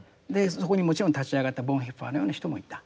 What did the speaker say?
そこにもちろん立ち上がったボンヘッファーのような人もいた。